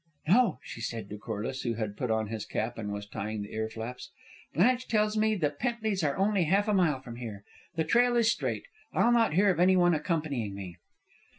"No," she said to Corliss, who had put on his cap and was tying the ear flaps; "Blanche tells me the Pently's are only half a mile from here. The trail is straight. I'll not hear of any one accompanying me.